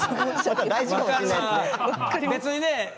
別にね